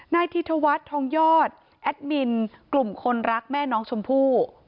นายธิธวัฒน์ทองยอดแอดมินกลุ่มคนรักแม่น้องชมพู่